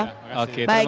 oke terima kasih bapak